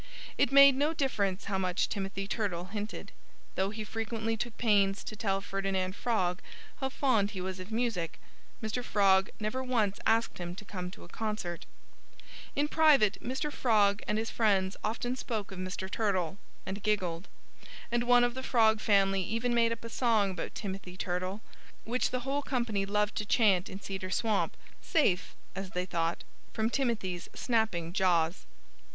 It made no difference how much Timothy Turtle hinted. Though he frequently took pains to tell Ferdinand Frog how fond he was of music, Mr. Frog never once asked him to come to a concert. In private Mr. Frog and his friends often spoke of Mr. Turtle and giggled. And one of the Frog family even made up a song about Timothy Turtle, which the whole company loved to chant in Cedar Swamp, safe as they thought from Timothy's snapping jaws.